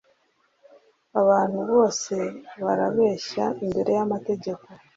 abantu bose barareshya imbere y'amategeko